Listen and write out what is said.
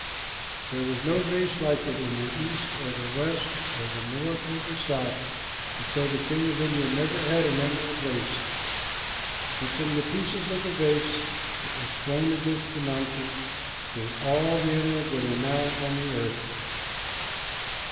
There was no vase like it in the east or the west, the north or the south, and so the king of India never had an emerald vase; but from the pieces of the vase that was thrown against the mountain came all the emeralds that are now on the earth.